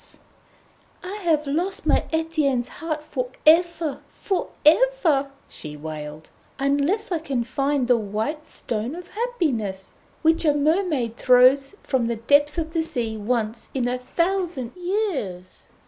"] 'I have lost my Etienne's heart for ever, for ever,' she wailed, 'unless I can find the White Stone of Happiness, which a mermaid throws from the depths of the sea once in a thousand years.